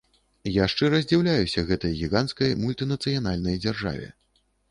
Я шчыра здзіўляюся гэтай гіганцкай мультынацыянальнай дзяржаве.